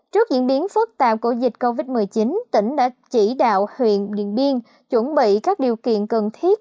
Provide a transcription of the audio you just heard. trước diễn biến phức tạp của dịch covid một mươi chín tỉnh đã chỉ đạo huyện điện biên chuẩn bị các điều kiện cần thiết